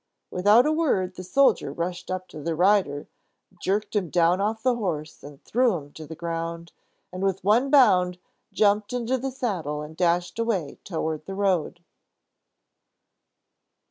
Without a word, the soldier rushed up to the rider, jerked him down off the horse and threw him to the ground, and, with one bound, jumped into the saddle and dashed away toward the road.